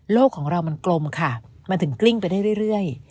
ของเรามันกลมค่ะมันถึงกลิ้งไปได้เรื่อย